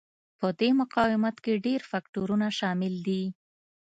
د دې مقاومت کې ډېر فکټورونه شامل دي.